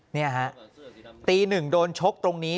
นี่ฮะตีหนึ่งโดนชกตรงนี้